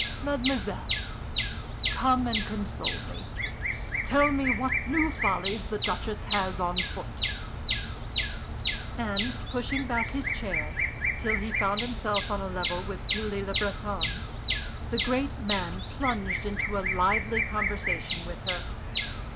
Mademoiselle, come and console me. Tell me what new follies the Duchess has on foot." And, pushing his chair back till he found himself on a level with Julie Le Breton, the great man plunged into a lively conversation with her.